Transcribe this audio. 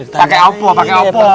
pakai apa pakai apa